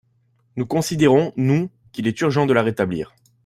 Nous considérons, nous, qu’il est urgent de la rétablir.